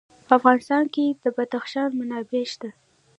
په افغانستان کې د بدخشان منابع شته.